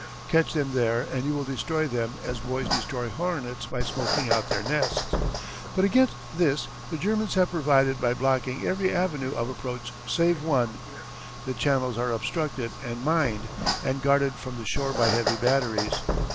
Catch them there and you will destroy them as boys destroy hornets by smoking out their nests. But against this the Germans have provided by blocking every avenue of approach save one. The channels are obstructed and mined, and guarded from the shore by heavy batteries.